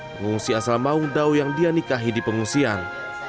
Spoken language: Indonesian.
pengungsi asal maung dau yang dia nikahi di pengungsian